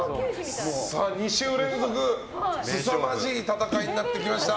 ２週連続すさまじい戦いになってきました。